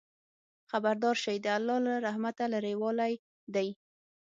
خبردار شئ! د الله له رحمته لرېوالی دی.